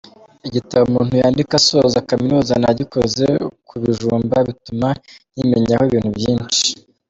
Igitabo umuntu yandika asoza kaminuza nagikoze ku bijumba bituma nkimenyaho ibintu byinshi.